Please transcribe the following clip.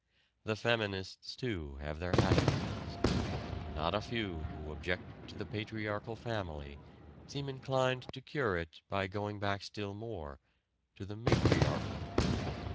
The feminists too have their atavisms: not a few who object to the patriarchal family seem inclined to cure it by going back still more to the matriarchal.